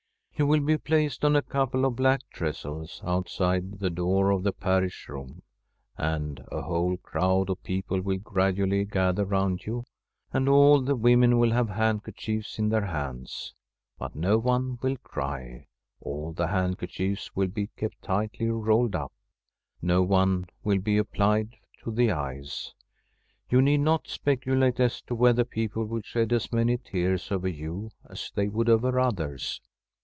You will be placed on a couple of black trestles outside the door of the parish room, and a whole crowd of people will gradually gather round you, and all the women will have handkercl.iefs in their hands. But no one will cry ; all the handkerchiefs will be kept tightly rolled up ; not one will be applied to the eyes. You need not speculate as to whether people will shed as many tears over you as they would over others.